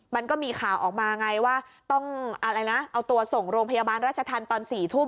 มันก็มีข่าวออกมาไงว่าต้องอะไรนะเอาตัวส่งโรงพยาบาลราชธรรมตอน๔ทุ่ม